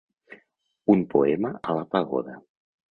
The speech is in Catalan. Un poema a la pagoda.